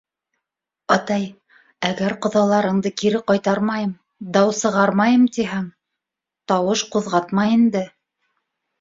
— Атай, әгәр ҡоҙаларыңды кире ҡайтармайым, дау сығармайым тиһәң, тауыш ҡуҙғатма инде.